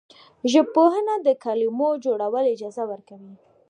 ژبپوهنه د کلمو جوړول اجازه ورکوي.